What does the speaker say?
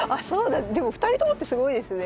でも２人ともってすごいですね。